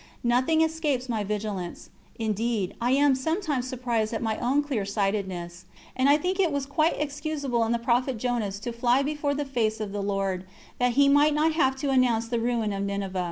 Nothing escapes my vigilance; indeed, I am sometimes surprised at my own clear sightedness, and I think it was quite excusable in the prophet Jonas to fly before the face of the Lord, that he might not have to announce the ruin of Ninive.